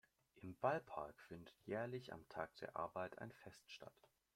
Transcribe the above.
Im Ballpark findet jährlich am Tag der Arbeit ein Fest statt.